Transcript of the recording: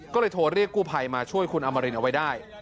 ก็เลยโทรเรียกกู้ภัยมาช่วยคุณอมรินเอาไว้ได้